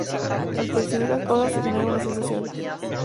Al percibir las cosas, se genera una sensación.